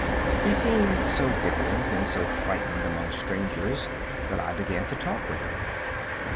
He seemed so diffident and so frightened among strangers, that I began to talk with him.